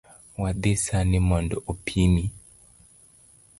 Wadhi sani mondo opimi